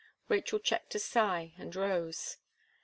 Rachel checked a sigh, and rose.